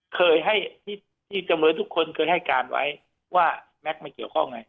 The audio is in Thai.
เคยให้ที่จำเลยทุกคนเคยให้การไว้ว่าแม็กซ์ไม่เกี่ยวข้องไง